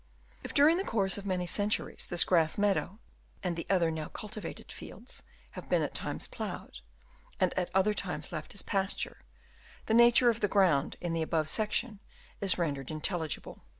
If during the course of many centuries this grass meadow and the other now cultivated fields have been at times ploughed, and at other times left as pasture, the nature of the ground in the above section is rendered intelligible.